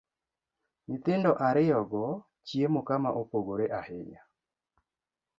Nyithindo ariyo go chiemo kama opogore ahinya,